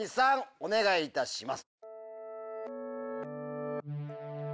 お願いいたします。